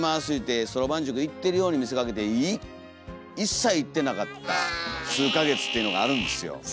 言うてそろばん塾行ってるように見せかけて一切行ってなかった数か月っていうのがあるんですよ。